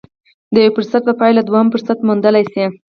د يوه فرصت په بايللو دوهم فرصت موندلی شي.